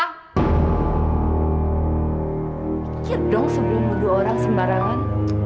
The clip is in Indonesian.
pikir dong sebelum dua orang sembarangan